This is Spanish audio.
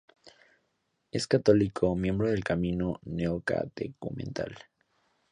Es católico, miembro del Camino Neocatecumenal.